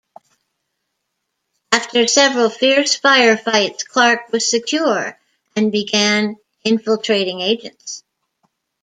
After several fierce firefights, Clark was secure and began infiltrating agents.